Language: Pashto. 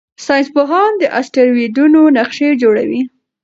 ساینسپوهان د اسټروېډونو نقشې جوړوي.